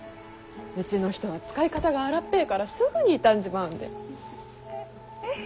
うちの人は使い方が荒っぺぇからすぐに傷んじまうんで。